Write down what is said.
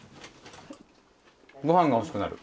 ご飯が欲しくなる。